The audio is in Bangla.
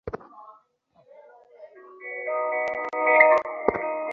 তিনি ছিলেন সত্যাগ্রহ আন্দোলনের প্রতিষ্ঠাতা।